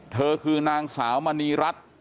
เธอคือนางสาวมณีรัฐ